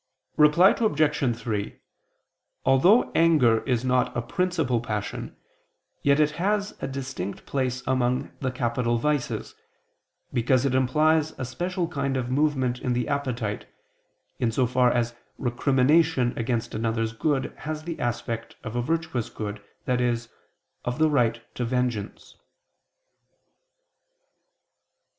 Reply Obj. 3: Although anger is not a principal passion, yet it has a distinct place among the capital vices, because it implies a special kind of movement in the appetite, in so far as recrimination against another's good has the aspect of a virtuous good, i.e. of the right to vengeance.